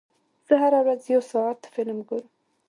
زه هره ورځ یو ساعت فلم ګورم.